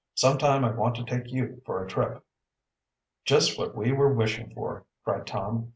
"Some time I want to take you for a trip." "Just what we were wishing for!" cried Tom.